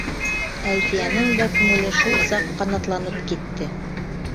Әлфиәнең дә күңеле шул саҡ ҡанатланып китте.